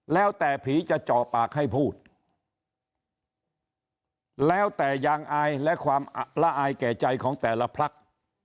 แล้วแต่ผีจะเจาะปากให้พูดแล้วแต่ยางอายและความละอายแก่ใจของแต่ละพัก